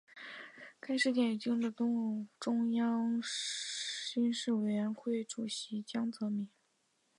该事件也惊动了中央军事委员会主席江泽民。